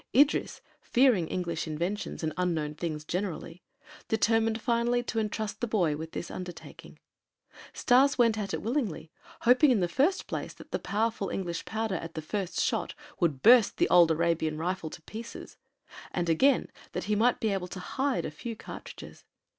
Idris, fearing English inventions and unknown things generally, determined finally to entrust the boy with this undertaking. Stas went at it willingly, hoping in the first place that the powerful English powder at the first shot would burst the old Arabian rifle to pieces, and, again, that he might be able to hide a few cartridges.